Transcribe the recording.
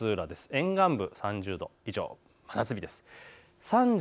沿岸部が３０度以上、真夏日です。